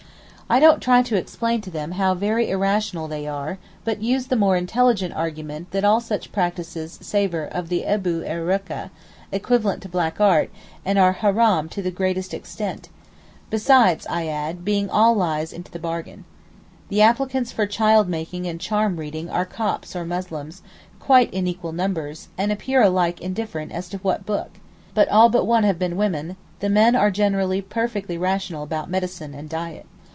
I don't try to explain to them how very irrational they are but use the more intelligible argument that all such practices savour of the Ebu er Rukkeh (equivalent to black art), and are haram to the greatest extent; besides, I add, being 'all lies' into the bargain. The applicants for child making and charm reading are Copts or Muslims, quite in equal numbers, and appear alike indifferent as to what 'Book': but all but one have been women; the men are generally perfectly rational about medicine and diet.